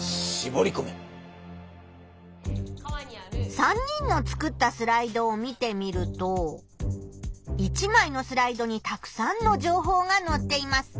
３人の作ったスライドを見てみると１まいのスライドにたくさんの情報がのっています。